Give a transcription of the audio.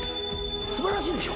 素晴らしいでしょ。